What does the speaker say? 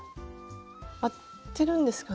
合ってるんですかね？